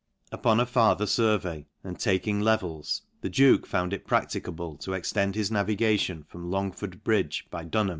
Upon a faither furvey and taking levels, the duke found it practicable to extend his navigation from Longford bridge, by Dunha?